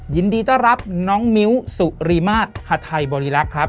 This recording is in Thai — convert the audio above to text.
ยินดีต้อนรับน้องมิ้วสุริมาตรฮาไทยบริรักษ์ครับ